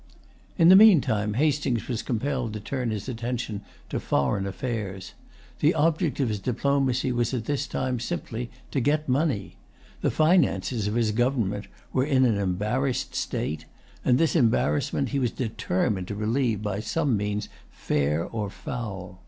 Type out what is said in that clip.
In the meantime, Hastings was compelled to turn his attention to foreign affairs. The object of his diplomacy was at this time simply to get money. The finances of his government were in an embarrassed state; and this embarrassment he was determined to relieve by some means, fair or foul.